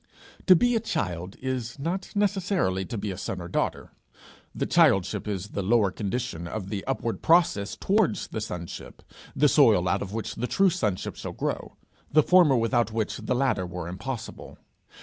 To be a child is not necessarily to be a son or daughter. The childship is the lower condition of the upward process towards the sonship, the soil out of which the true sonship shall grow, the former without which the latter were impossible.